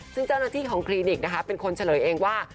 ซึ่งเจ้านักที่ของคลีนิกเป็นคนเฉลยเองว่า